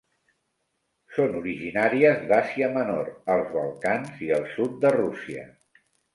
Són originàries d'Àsia Menor, els Balcans i el sud de Rússia.